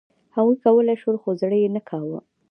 هغوی کولای شول، خو زړه یې نه کاوه.